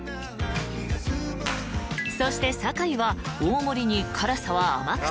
［そして酒井は大盛りに辛さは甘口］